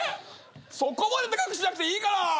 そこまで高くしなくていいから！